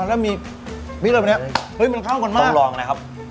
แล้วมีพริกอะไรแบบนี้เฮ้ยมันเข้ากันมากต้องลองนะครับ